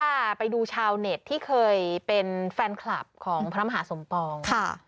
ค่ะไปดูชาวเน็ตที่เคยเป็นแฟนคลับของพระมหาสมปองค่ะ